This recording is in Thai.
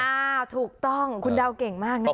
ถูกต้องคุณเดาเก่งมากนะคะ